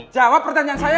jawab pertanyaan saya